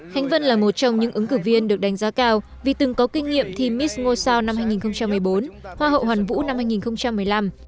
khánh vân là một trong những ứng cử viên được đánh giá cao vì từng có kinh nghiệm thi miss ngô sao năm hai nghìn một mươi bốn hoa hậu hoàn vũ năm hai nghìn một mươi năm